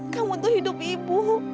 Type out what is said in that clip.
kamu itu hidup ibu